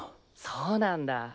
そうなんだ。